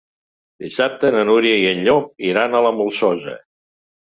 Dissabte na Núria i en Llop iran a la Molsosa.